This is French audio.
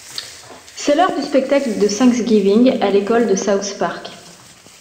C'est l'heure du spectacle de Thanksgiving à l'école de South Park.